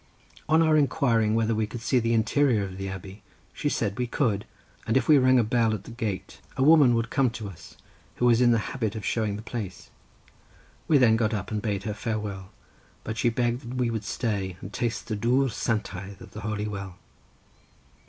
On our inquiring whether we could see the interior of the abbey she said we could, and that if we rang a bell at the gate a woman would come to us, who was in the habit of showing the place. We then got up and bade her farewell—but she begged that we would stay and taste the dwr santaidd of the holy well.